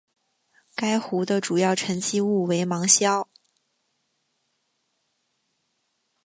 该湖的主要沉积物为芒硝。